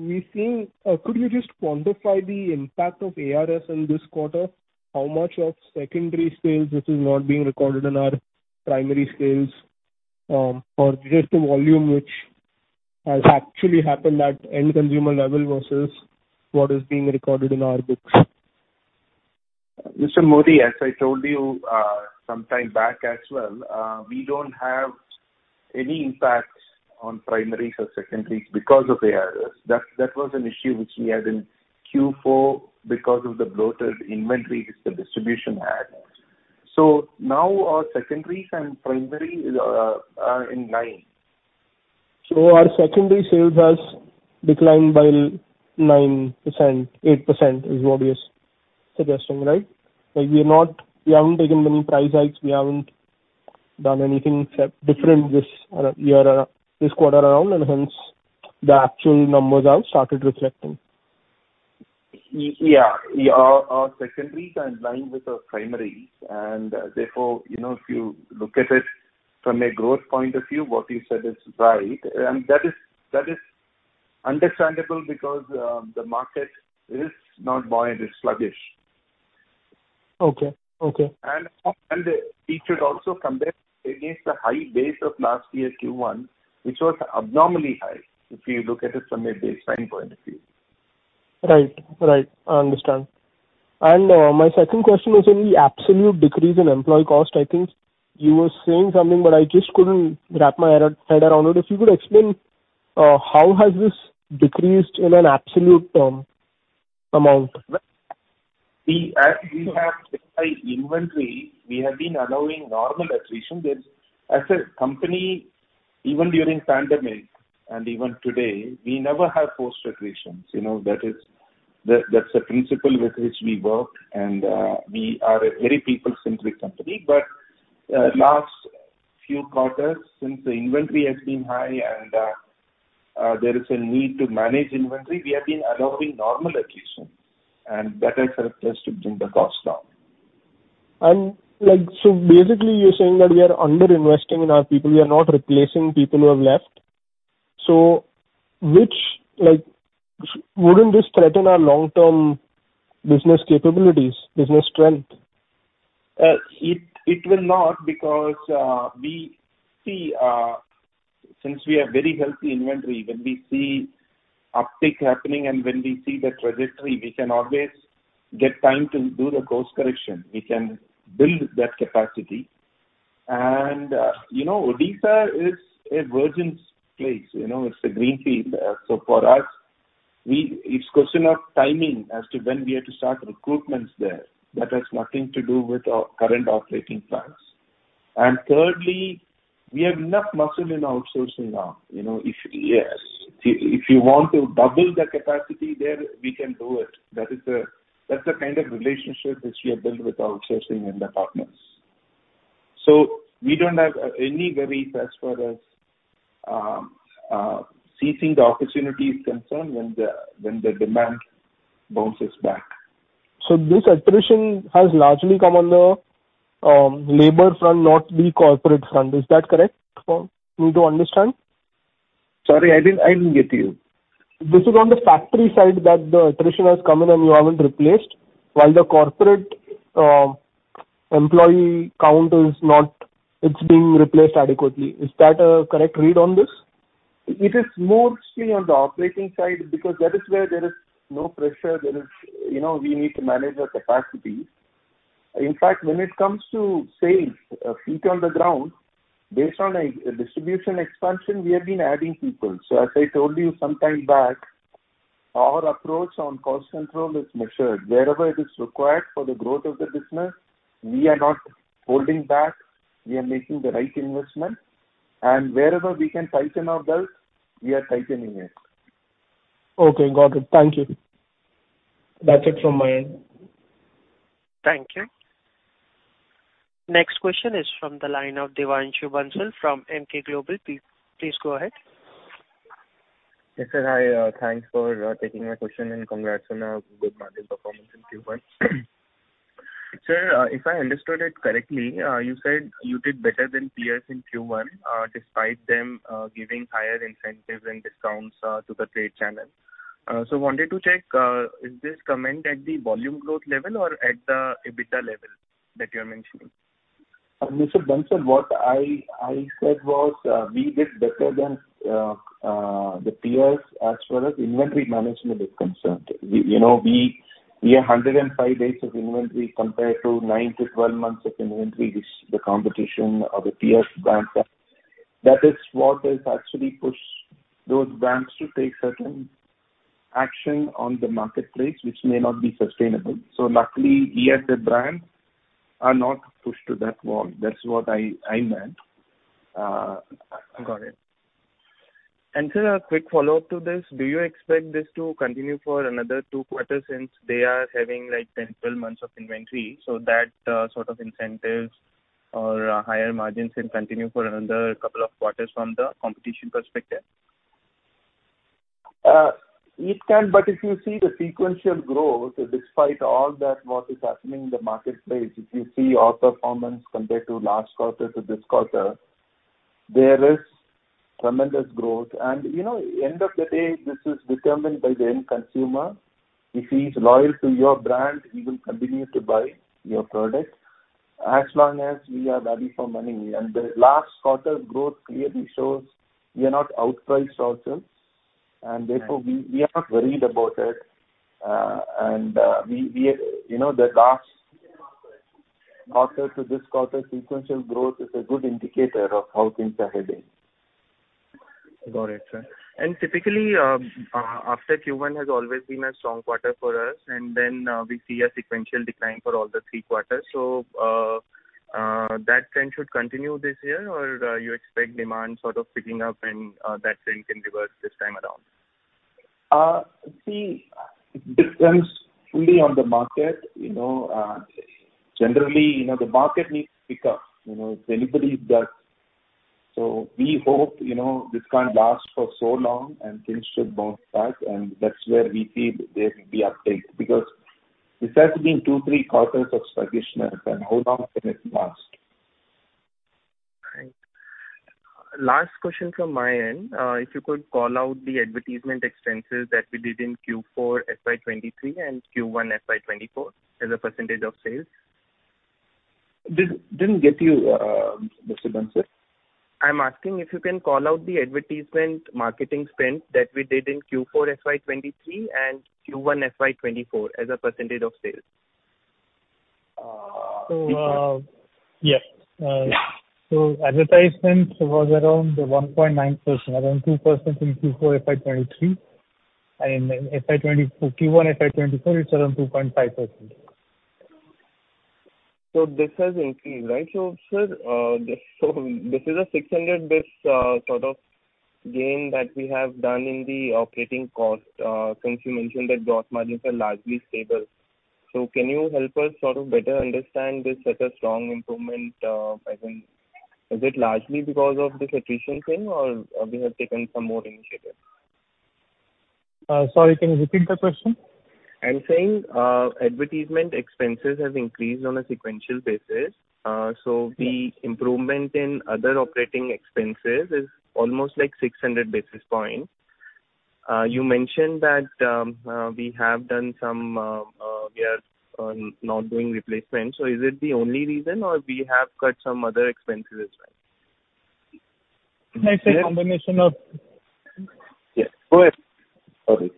We've seen... Could you just quantify the impact of ARS in this quarter? How much of secondary sales, which is not being recorded in our primary sales, or just the volume which has actually happened at end consumer level versus what is being recorded in our books? Rishi Modi, as I told you sometime back as well, we don't have any impact on primaries or secondaries because of ARS. That was an issue which we had in Q4 because of the bloated inventories the distribution had. Now our secondaries and primary is are in line. Our secondary sales has declined by 9%, 8%, is what he is suggesting, right? Like, we are not, we haven't taken any price hikes, we haven't done anything different this year, this quarter around, and hence, the actual numbers have started reflecting. Yeah, yeah, our, our secondaries are in line with our primaries, and therefore, you know, if you look at it from a growth point of view, what you said is right, and that is, that is understandable because the market is not buoyant, it's sluggish. Okay. Okay. It should also compare against the high base of last year's Q1, which was abnormally high, if you look at it from a baseline point of view. Right. Right. I understand. My second question is on the absolute decrease in employee cost. I think you were saying something, but I just couldn't wrap my head, head around it. If you could explain how has this decreased in an absolute term, amount? We, as we have high inventory, we have been allowing normal attrition. As a company, even during pandemic and even today, we never have post attritions, you know, that's a principle with which we work, and we are a very people-centric company. Last few quarters, since the inventory has been high and there is a need to manage inventory, we have been allowing normal attrition, and that has helped us to bring the cost down. Like, basically you're saying that we are under-investing in our people, we are not replacing people who have left? Which, like, wouldn't this threaten our long-term business capabilities, business strength? It, it will not, because we see since we have very healthy inventory, when we see uptick happening and when we see the trajectory, we can always get time to do the course correction. We can build that capacity. You know, Odisha is a virgin place, you know, it's a greenfield. So for us, it's question of timing as to when we are to start recruitments there. That has nothing to do with our current operating plans. Thirdly, we have enough muscle in outsourcing now. You know, if, yes, if you want to double the capacity there, we can do it. That's the kind of relationship which we have built with outsourcing and the partners. We don't have any worries as far as seizing the opportunity is concerned when the, when the demand bounces back. This attrition has largely come on the labor front, not the corporate front. Is that correct for me to understand? Sorry, I didn't, I didn't get you. This is on the factory side, that the attrition has come in and you haven't replaced, while the corporate employee count is not, it's being replaced adequately. Is that a correct read on this? It is mostly on the operating side, because that is where there is no pressure. There is, you know, we need to manage the capacity. In fact, when it comes to sales, feet on the ground, based on a distribution expansion, we have been adding people. As I told you some time back, our approach on cost control is measured. Wherever it is required for the growth of the business, we are not holding back. We are making the right investment, and wherever we can tighten our belt, we are tightening it. Okay, got it. Thank you. That's it from my end. Thank you. Next question is from the line of Devanshu Bansal from Emkay Global. Please go ahead. Yes, sir. Thanks for taking my question, and congrats on a good market performance in Q1. Sir, if I understood it correctly, you said you did better than peers in Q1, despite them giving higher incentives and discounts to the trade channel. Wanted to check, is this comment at the volume growth level or at the EBITDA level that you're mentioning? Mr. Bansal, what I, I said was, we did better than the peers as far as inventory management is concerned. We, you know, we, we are 105 days of inventory compared to nine to 12 months of inventory, which the competition or the peers banks have. That is what has actually pushed those banks to take certain action on the marketplace, which may not be sustainable. Luckily, [listed] brand are not pushed to that wall. That's what I, I meant. Got it. Sir, a quick follow-up to this: Do you expect this to continue for another two quarters since they are having, like, 10, 12 months of inventory, so that sort of incentives or higher margins can continue for another couple of quarters from the competition perspective? It can, if you see the sequential growth, despite all that, what is happening in the marketplace, if you see our performance compared to last quarter to this quarter, there is tremendous growth. You know, end of the day, this is determined by the end consumer. If he's loyal to your brand, he will continue to buy your product as long as we are value for money. The last quarter growth clearly shows we are not outpriced ourselves, and therefore, we are not worried about it. We, you know, the last quarter to this quarter, sequential growth is a good indicator of how things are heading. Got it, sir. Typically, after Q1 has always been a strong quarter for us, then we see a sequential decline for all the three quarters. That trend should continue this year, or you expect demand sort of picking up and that trend can reverse this time around? See, it depends fully on the market, you know. Generally, you know, the market needs to pick up, you know, if anybody does. We hope, you know, this can't last for so long and things should bounce back, and that's where we see there will be uptake, because this has been two, three quarters of sluggishness, and how long can it last? Right. Last question from my end. If you could call out the advertisement expenses that we did in Q4 FY 2023 and Q1 FY 2024, as a % of sales. Didn't get you, Mr. Bansal. I'm asking if you can call out the advertisement marketing spend that we did in Q4 FY 2023 and Q1 FY 2024, as a % of sales. Uh. Yes. Advertisement was around 1.9%, around 2% in Q4 FY 2023, and in FY 2024, Q1 FY 2024, it's around 2.5%. This has increased, right? Sir, this is a 600 base sort of gain that we have done in the operating cost, since you mentioned that gross margins are largely stable. Can you help us sort of better understand this such a strong improvement, as in, is it largely because of this attrition thing or, or we have taken some more initiatives? Sorry, can you repeat the question? I'm saying, advertisement expenses have increased on a sequential basis. The improvement in other operating expenses is almost, like, 600 basis points. You mentioned that we have done some we are not doing replacements. Is it the only reason, or we have cut some other expenses as well? It's a combination of- Yes. Go ahead.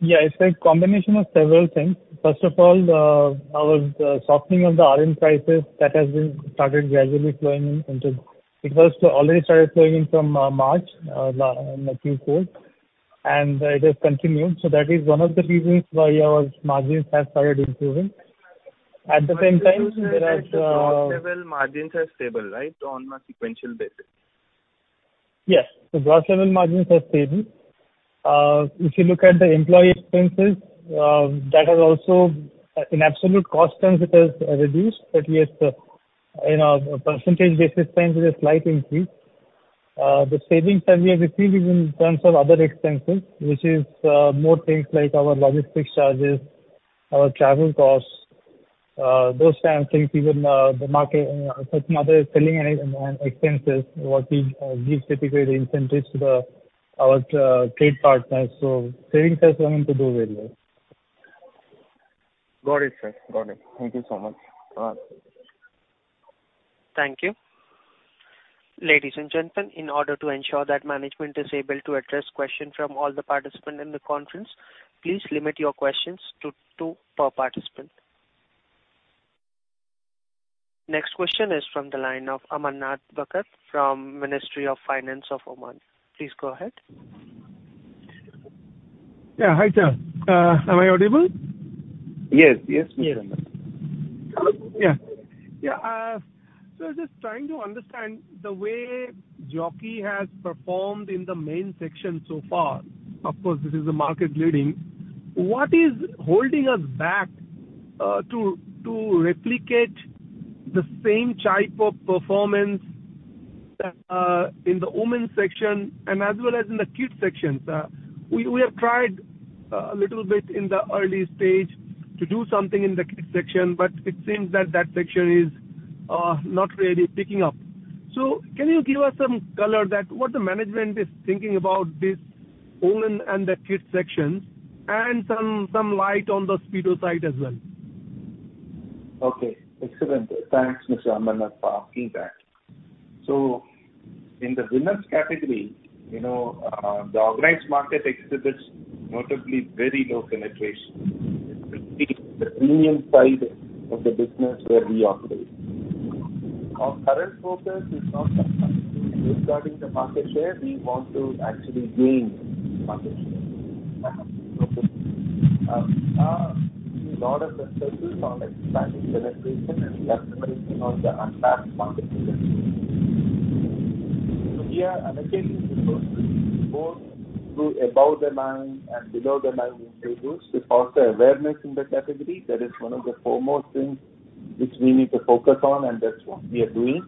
Sorry. It's a combination of several things. First of all, our softening of the RM prices, that has been started gradually flowing in into. It was already started flowing in from March in the Q4, it has continued. That is one of the reasons why our margins have started improving. At the same time, there are. Gross level margins are stable, right? On a sequential basis. Yes. The gross level margins are stable. If you look at the employee expenses, that is also in absolute cost terms, it has reduced, but yet, in a percentage basis terms, it is slight increase. The savings that we have received is in terms of other expenses, which is more things like our logistics charges, our travel costs, those kind of things, even the market, such mother is selling and expenses, what we give typically the incentives to our trade partners. Savings has come into play very well. Got it, sir. Got it. Thank you so much. Thank you. Ladies and gentlemen, in order to ensure that management is able to address questions from all the participants in the conference, please limit your questions to two per participant. Next question is from the line of Amarnath Bhakat from Ministry of Finance of Oman. Please go ahead. Yeah, hi there. Am I audible? Yes. Yes, Mr. Amarnath. Yeah. Yeah, so just trying to understand the way Jockey has performed in the main section so far. Of course, this is the market leading. What is holding us back, to, to replicate the same type of performance, in the women's section and as well as in the kids sections? We, we have tried, a little bit in the early stage to do something in the kids section, but it seems that that section is, not really picking up. Can you give us some color that what the management is thinking about this women and the kids section, and some, some light on the Speedo side as well? Okay, excellent. Thanks, Mr. Amarnath, for asking that. In the women's category, you know, the organized market exhibits notably very low penetration. It's the premium side of the business where we operate. Our current focus is not regarding the market share, we want to actually gain market share. Lot of the focus on expanding penetration and capitalizing on the untapped market. We are allocating resources both through above the line and below the line initiatives to foster awareness in the category. That is one of the foremost things which we need to focus on, and that's what we are doing.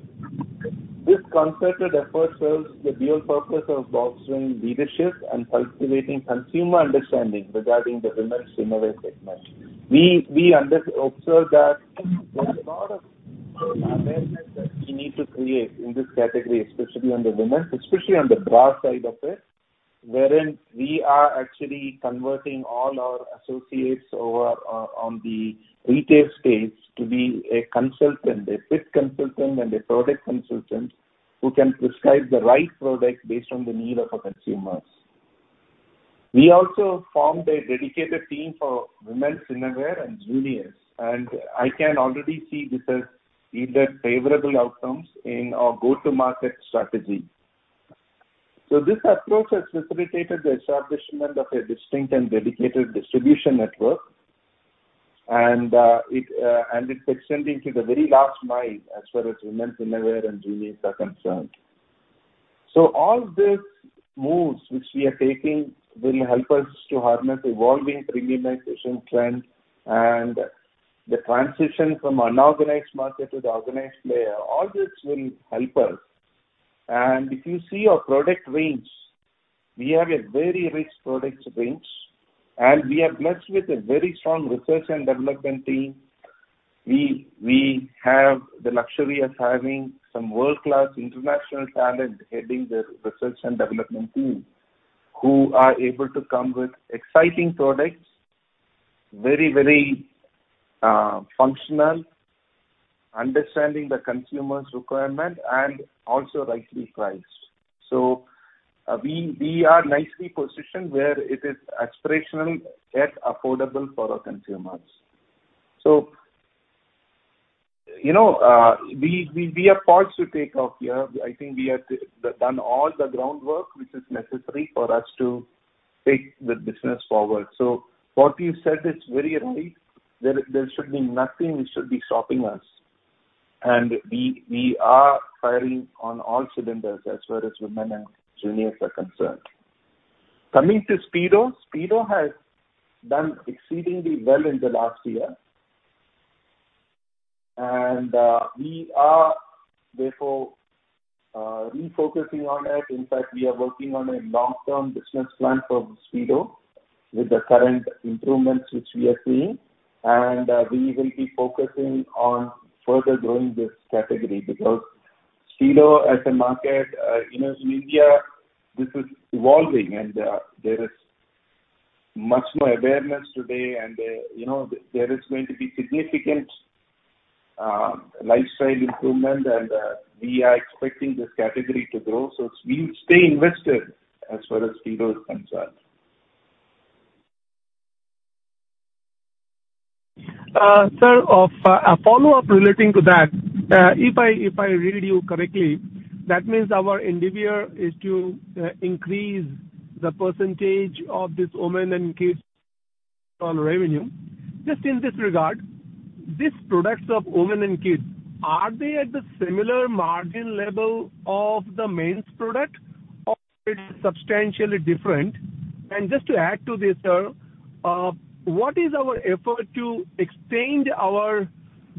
This concerted effort serves the dual purpose of bolstering leadership and cultivating consumer understanding regarding the women's swimwear segment. We under observe that there's a lot of awareness that we need to create in this category, especially on the women's, especially on the bra side of it. Wherein we are actually converting all our associates over on, on the retail space to be a consultant, a fit consultant and a product consultant, who can prescribe the right product based on the need of our consumers. We also formed a dedicated team for women's swimwear and juniors, and I can already see this has seen the favorable outcomes in our go-to-market strategy. This approach has facilitated the establishment of a distinct and dedicated distribution network, and it's extending to the very last mile as far as women's swimwear and juniors are concerned. All these moves which we are taking will help us to harness evolving premiumization trends and the transition from unorganized market to the organized layer. All this will help us. If you see our product range, we have a very rich product range, and we are blessed with a very strong research and development team. We have the luxury of having some world-class international talent heading the research and development team, who are able to come with exciting products, very, very functional, understanding the consumer's requirement, and also rightly priced. We are nicely positioned where it is aspirational, yet affordable for our consumers. You know, we have parts to take off here. I think we have done all the groundwork which is necessary for us to take the business forward. What you said is very right. There, there should be nothing which should be stopping us, and we, we are firing on all cylinders as far as women and juniors are concerned. Coming to Speedo. Speedo has done exceedingly well in the last year. We are therefore refocusing on it. In fact, we are working on a long-term business plan for Speedo with the current improvements which we are seeing, we will be focusing on further growing this category. Speedo as a market, you know, in India, this is evolving and there is much more awareness today. You know, there is going to be significant lifestyle improvement, and we are expecting this category to grow. We stay invested as far as Speedo is concerned. Sir, a follow-up relating to that. If I, if I read you correctly, that means our endeavor is to increase the percentage of this women and kids on revenue. Just in this regard, these products of women and kids, are they at the similar margin level of the men's product, or it's substantially different? Just to add to this, sir, what is our effort to extend our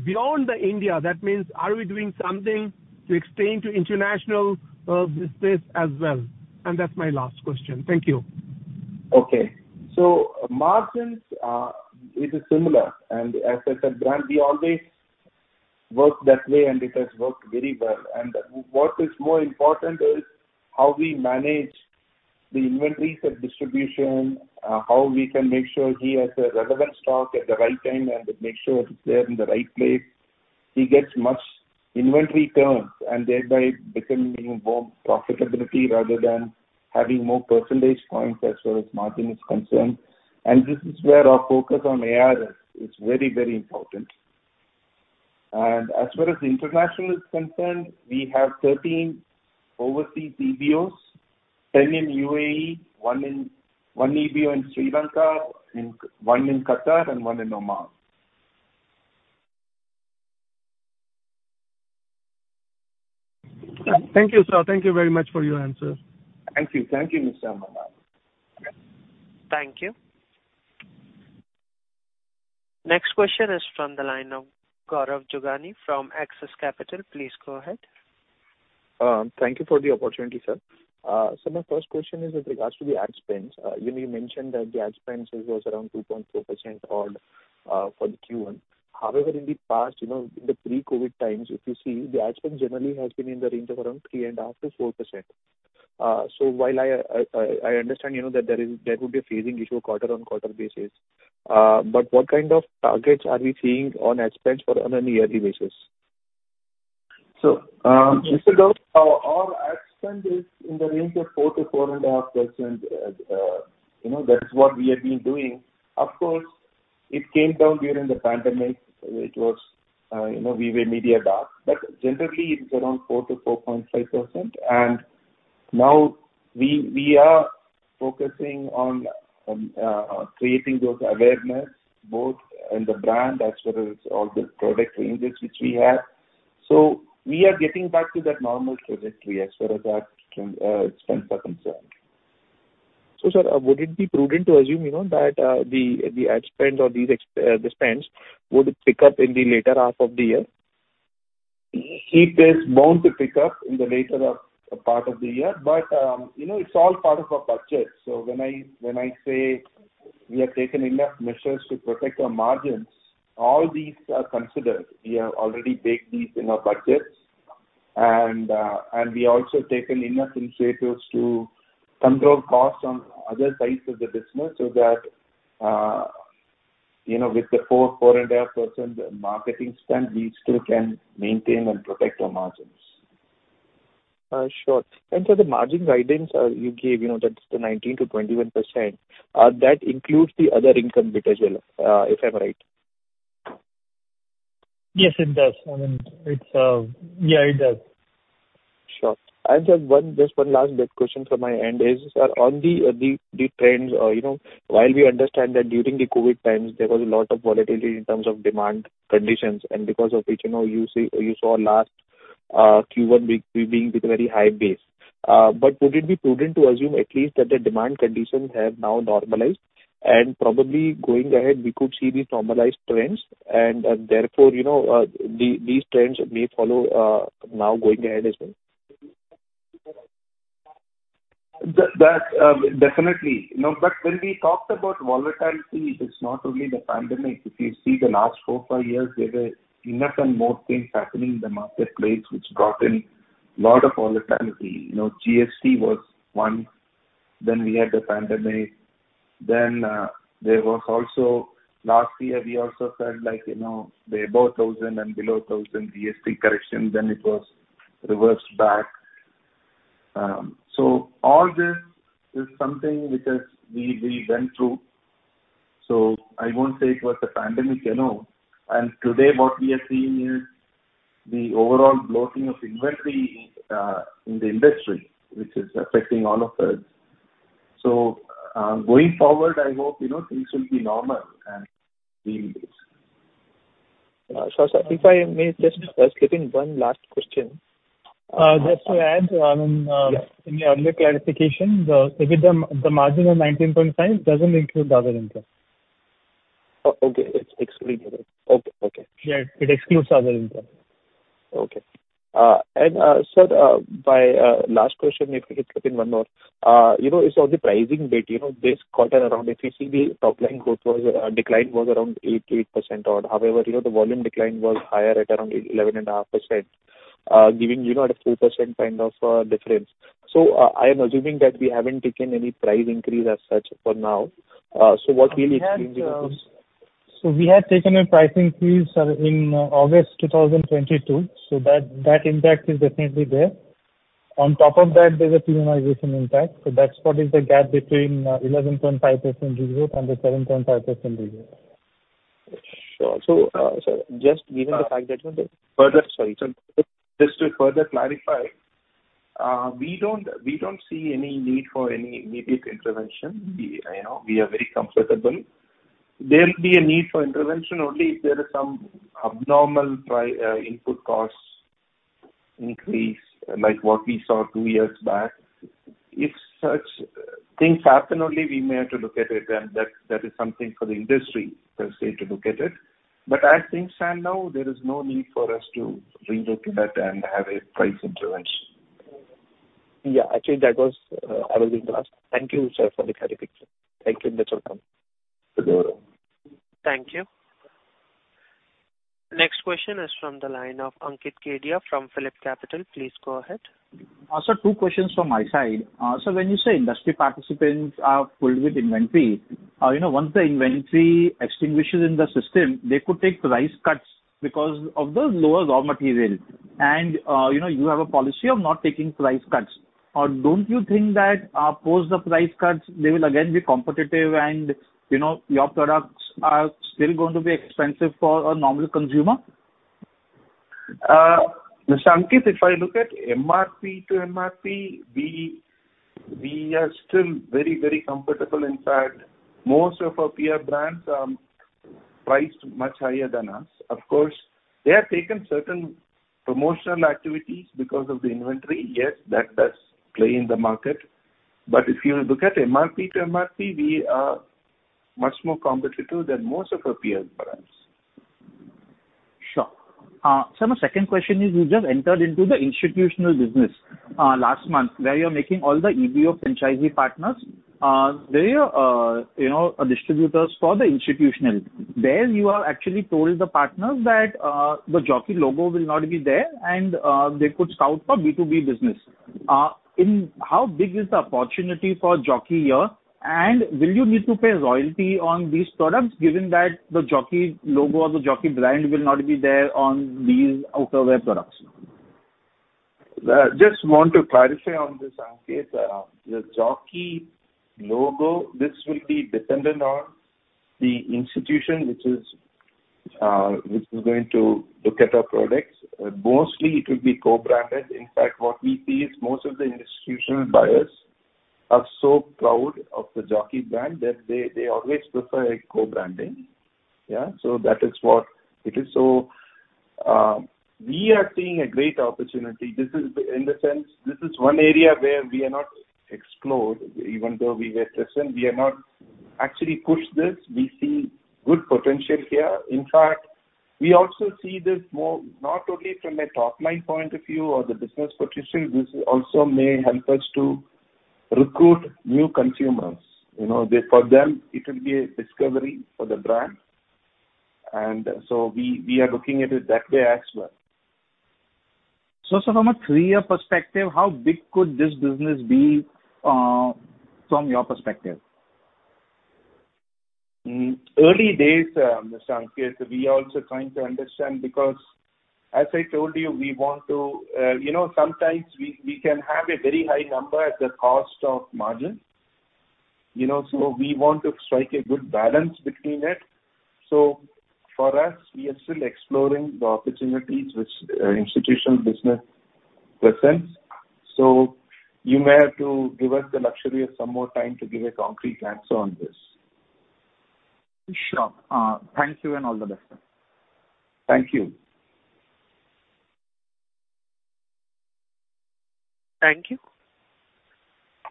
beyond India? That means are we doing something to extend to international space as well? That's my last question. Thank you. Okay. Margins, it is similar. As I said, brand, we always work that way, and it has worked very well. What is more important is how we manage the inventories of distribution, how we can make sure he has a relevant stock at the right time, and make sure it's there in the right place. He gets much inventory turns and thereby becoming more profitability rather than having more percentage points as far as margin is concerned. This is where our focus on AR is is very, very important. As far as international is concerned, we have 13 overseas DBOs, 10 in UAE, one DBO in Sri Lanka, and one in Qatar, and one in Oman. Thank you, sir. Thank you very much for your answers. Thank you. Thank you, Mr. Bhakat. Thank you. Next question is from the line of Gaurav Jogani from Axis Capital. Please go ahead. Thank you for the opportunity, sir. My first question is with regards to the ad spends. You know, you mentioned that the ad spends was around 2.4% odd for the Q1. However, in the past, you know, in the pre-COVID times, if you see, the ad spend generally has been in the range of around 3.5%-4%. While I understand, you know, that there would be a phasing issue quarter-on-quarter basis, but what kind of targets are we seeing on ad spends for on an yearly basis? Mr. Gaurav, our, our ad spend is in the range of 4%-4.5%. You know, that is what we have been doing. Of course, it came down during the pandemic. It was, you know, we were media dark, but generally it's around 4%-4.5%. Now we, we are focusing on, on, creating those awareness both in the brand as well as all the product ranges which we have. We are getting back to that normal trajectory as far as that, spend are concerned. Sir, would it be prudent to assume, you know, that the ad spend or these the spends would pick up in the later half of the year? It is bound to pick up in the later of part of the year, but, you know, it's all part of our budget. When I, when I say we have taken enough measures to protect our margins, all these are considered. We have already baked these in our budgets, and we also taken enough initiatives to control costs on other sides of the business, so that, you know, with the 4, 4.5% marketing spend, we still can maintain and protect our margins. Sure. So the margin guidance, you gave, you know, that's the 19%-21%, that includes the other income bit as well, if I'm right? Yes, it does. I mean, it's... Yeah, it does. Sure. Just one last quick question from my end is, sir, on the trends, you know, while we understand that during the COVID times, there was a lot of volatility in terms of demand conditions, and because of which, you know, you saw last Q1 being with a very high base. Would it be prudent to assume at least that the demand conditions have now normalized, and probably going ahead, we could see these normalized trends, and therefore, you know, these trends may follow now going ahead as well? Definitely. When we talked about volatility, it's not only the pandemic. If you see the last four, five years, there were enough and more things happening in the marketplace, which brought in a lot of volatility. You know, GST was one, then we had the pandemic, then there was also last year, we also felt like, you know, the above thousand and below thousand GST correction, then it was reversed back. All this is something which is we, we went through, so I won't say it was the pandemic alone. Today, what we are seeing is the overall bloating of inventory in the industry, which is affecting all of us. Going forward, I hope, you know, things will be normal and stable. Sure, sir. If I may just slip in one last question. Just to add. Yes. In the earlier clarification, with the margin of 19.5% doesn't include the other income. Oh, okay. It excludes it. Okay, okay. Yeah, it excludes other income. Okay. Sir, my last question, if we could slip in one more. You know, it's on the pricing bit, you know, this quarter around, if you see the top line growth was, decline was around 8% odd. However, you know, the volume decline was higher at around 11.5%, giving, you know, a 2% kind of difference. I am assuming that we haven't taken any price increase as such for now. So what will be- We have. We have taken a pricing increase in August 2022, so that that impact is definitely there. On top of that, there's a premiumization impact. That's what is the gap between 11.5% growth and the 7.5% growth. Sure. sir, just given the fact that- Further, sorry. Just to further clarify, we don't, we don't see any need for any immediate intervention. We, you know, we are very comfortable. There will be a need for intervention only if there is some abnormal input costs increase, like what we saw two years back. If such things happen, only we may have to look at it, and that, that is something for the industry per se to look at it. But as things stand now, there is no need for us to relook at that and have a price intervention. Yeah, actually, that was, I will be the last. Thank you, sir, for the clarification. Thank you. Welcome. Thank you. Next question is from the line of Ankit Kedia from PhillipCapital. Please go ahead. Sir, two questions from my side. When you say industry participants are filled with inventory, you know, once the inventory extinguishes in the system, they could take price cuts because of the lower raw material. You know, you have a policy of not taking price cuts. Don't you think that, post the price cuts, they will again be competitive and, you know, your products are still going to be expensive for a normal consumer? Ankit Kedia, if I look at MRP to MRP, we, we are still very, very comfortable. In fact, most of our peer brands priced much higher than us. Of course, they have taken certain promotional activities because of the inventory. Yes, that does play in the market, but if you look at MRP to MRP, we are much more competitive than most of our peers, perhaps. Sure. Sir, my second question is, you just entered into the institutional business last month, where you're making all the EBO franchisee partners, where you are, you know, distributors for the institutional. There you have actually told the partners that the Jockey logo will not be there, and they could scout for B2B business. In how big is the opportunity for Jockey here, and will you need to pay royalty on these products, given that the Jockey logo or the Jockey brand will not be there on these outerwear products? Just want to clarify on this, Ankit. The Jockey logo, this will be dependent on the institution, which is going to look at our products. Mostly it will be co-branded. In fact, what we see is most of the institutional buyers are so proud of the Jockey brand that they, they always prefer a co-branding. That is what it is. We are seeing a great opportunity. This is one area where we are not explored, even though we were present, we are not actually pushed this. We see good potential here. In fact, we also see this more, not only from a top-line point of view or the business potential, this also may help us to recruit new consumers. You know, they, for them, it will be a discovery for the brand, and so we, we are looking at it that way as well. Sir, from a three-year perspective, how big could this business be, from your perspective? Early days, Mr. Ankit. We are also trying to understand, because as I told you, we want to, You know, sometimes we, we can have a very high number at the cost of margin, you know, so we want to strike a good balance between it. For us, we are still exploring the opportunities which institutional business presents. You may have to give us the luxury of some more time to give a concrete answer on this. Sure. Thank you, and all the best, sir. Thank you. Thank you.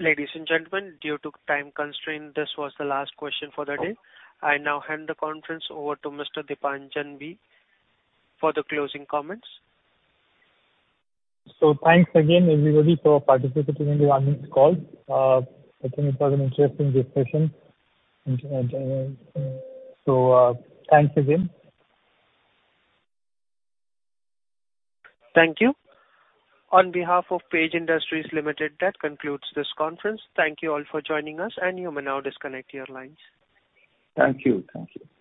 Ladies and gentlemen, due to time constraint, this was the last question for the day. I now hand the conference over to Mr. Deepanjan Bandyopadhyay for the closing comments. Thanks again, everybody, for participating in the earnings call. I think it was an interesting discussion. Thanks again. Thank you. On behalf of Page Industries Limited, that concludes this conference. Thank you all for joining us, and you may now disconnect your lines. Thank you. Thank you.